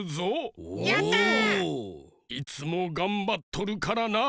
いつもがんばっとるからな。